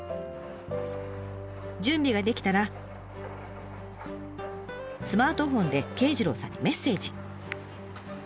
準備ができたらスマートフォンで圭次郎さんにメッセージ。